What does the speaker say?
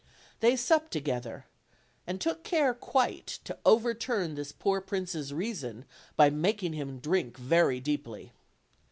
They sup ped together, and took care quite to overturn this poor prince's reason by making him drink very deeply.